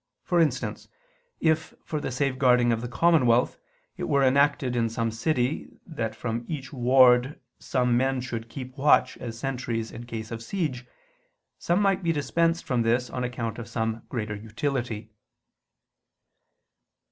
For instance if, for the safeguarding of the commonwealth, it were enacted in some city that from each ward some men should keep watch as sentries in case of siege, some might be dispensed from this on account of some greater utility.